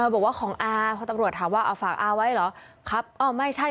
บอกว่าของอาพอตำรวจถามว่าเอาฝากอาไว้เหรอครับไม่ใช่